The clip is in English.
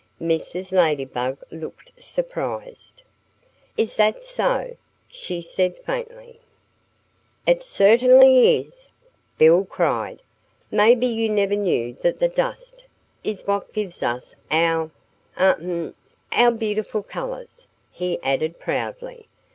Mrs. Ladybug looked surprised. "Is that so?" she said faintly. "It certainly is!" Bill cried. "Maybe you never knew that the dust is what gives us our ahem our beautiful colors," he added proudly.